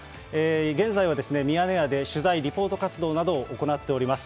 現在はミヤネ屋で取材、リポート活動などを行っております。